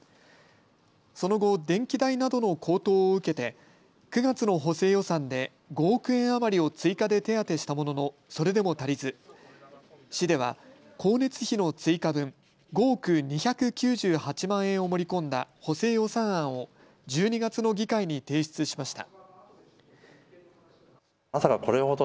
その後、電気代などの高騰を受けて９月の補正予算で５億円余りを追加で手当てしたもののそれでも足りず市では光熱費の追加分５億２９８万円を盛り込んだ補正予算案を１２月の議会に提出しました。